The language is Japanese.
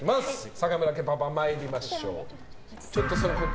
坂村家パパ参りましょう。